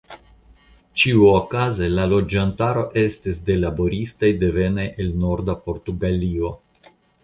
Ĉiuokaze la loĝantaro estis de laboristoj devenaj el norda Portugalio.